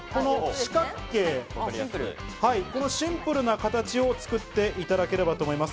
シンプルな形を作っていただければと思います。